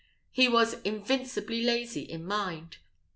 He was invincibly lazy in mind.